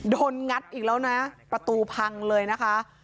งัดอีกแล้วนะประตูพังเลยนะคะ